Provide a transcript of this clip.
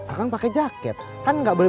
akang pake jaket kan gak boleh